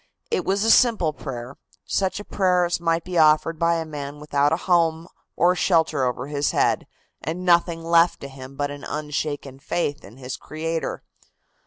It was a simple prayer, such a prayer as might be offered by a man without a home or a shelter over his head and nothing left to him but an unshaken faith in his Creator.